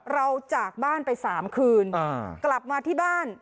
เราจากบ้านไปสามคืนอ่ากลับมาที่บ้าน